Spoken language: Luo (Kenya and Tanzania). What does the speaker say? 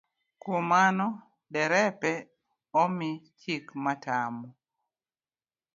Kuom mano derepe omi chik matamo